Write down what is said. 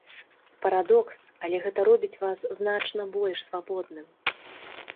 Парадокс, але гэта робіць вас значна больш свабодным.